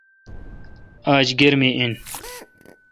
آج گرمی این۔